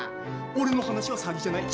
俺の話は詐欺じゃない。